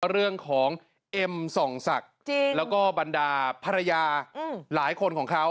เอ็มส่องศักดิ์แล้วก็บรรดาภรรยาหลายคนของเขา